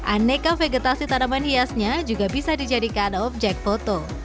aneka vegetasi tanaman hiasnya juga bisa dijadikan objek foto